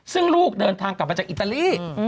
ซึ่งลูกเดินทางกลับมาจากอิตาลี